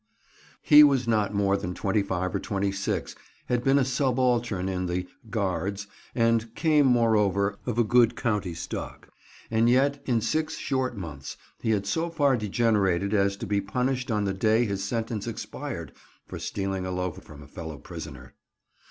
He was not more than 25 or 26, had been a subaltern in the — Guards, and came, moreover, of a good county stock; and yet in six short months he had so far degenerated as to be punished on the day his sentence expired for stealing a loaf from a fellow prisoner.